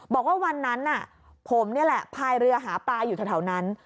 บอกว่าวันนั้นผมนี่แหละพายเรือหาปลาอยู่แถวนั้น